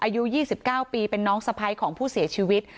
อายุ๒๙ปีเป็นน้องสะพ้ายของผู้เสียชีวิต